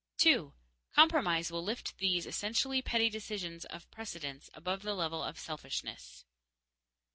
_2. Compromise will lift these essentially petty decisions of precedence above the level of selfishness.